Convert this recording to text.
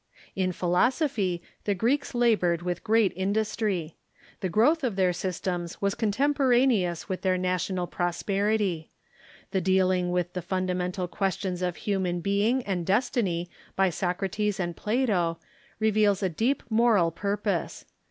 In philosophy, the Greeks labored Avith great industry. The growth of their systems was contemporaneous with their na tional i)rosperity. The dealing with the funda 's°vstems^ mental questions of human being and destiny by Socrates and Plato reveals a deep moral purpose.